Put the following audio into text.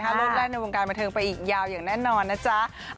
โลดแล่นในวงการบันเทิงไปอีกยาวอย่างแน่นอนนะจ๊ะ